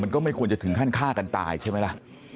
ก็ไม่ควรจะถึงขั้นฆ่ากันตายใช่ไหมล่ะ